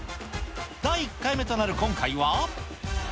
第１回目となる今回は。